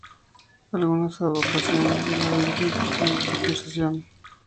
Algunas advocaciones de la Virgen poseen esta concesión.